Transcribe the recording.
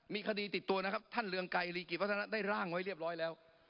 มีคดีติดตัวนะครับท่านเรืองไกรรีกิจวัฒนะได้ร่างไว้เรียบร้อยแล้ว